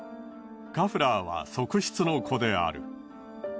カフラーは側室の子である。